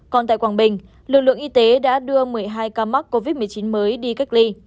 còn tại quảng bình lực lượng y tế đã đưa một mươi hai ca mắc covid một mươi chín mới đi cách ly